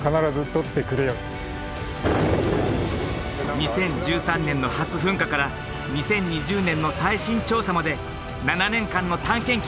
２０１３年の初噴火から２０２０年の最新調査まで７年間の探検記。